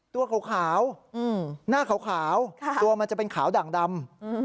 ตัวขาวหน้าขาวตัวมันจะเป็นขาวด่างดำ